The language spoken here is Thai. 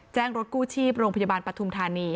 รถกู้ชีพโรงพยาบาลปฐุมธานี